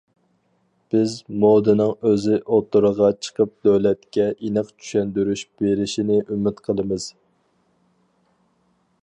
بىز مودىنىڭ ئۆزى ئوتتۇرىغا چىقىپ دۆلەتكە ئېنىق چۈشەندۈرۈش بېرىشىنى ئۈمىد قىلىمىز.